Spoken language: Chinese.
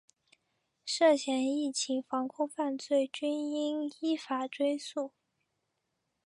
涉嫌疫情防控犯罪均应依法追诉